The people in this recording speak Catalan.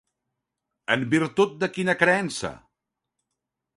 En virtut de quina creença?